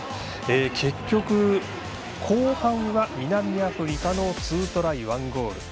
結局、後半は南アフリカの２トライ１ゴール。